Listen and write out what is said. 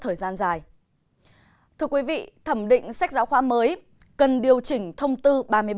thưa quý vị thẩm định sách giáo khoa mới cần điều chỉnh thông tư ba mươi ba